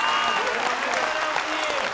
素晴らしい！